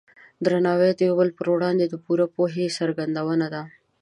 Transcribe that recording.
درناوی د یو بل په وړاندې د پوره پوهې څرګندونه ده.